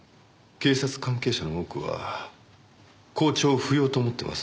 警察関係者の多くは公調を不要と思ってます。